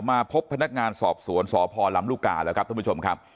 มาพบพนักงานสอบสวนสพลำลูกกาแล้วครับท่านผู้ชมครับ